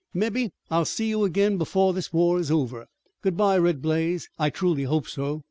Mebbe I'll see you ag'in before this war is over." "Good bye, Red Blaze. I truly hope so."